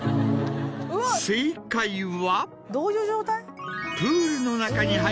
正解は。